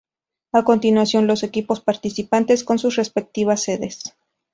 A continuación los equipos participantes con sus respectivas sedes.